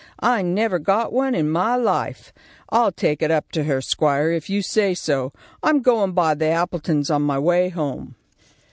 I never got one in my life. I'll take it up to her, squire, if you say so. I'm goin' by the Appletons' on my way home."